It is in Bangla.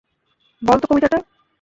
বল তো কবিতাটা!